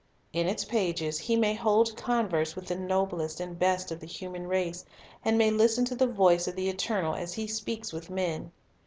In its pages he may hold converse with the noblest and best of the human race, and may listen to the voice of the Eternal as He speaks with men.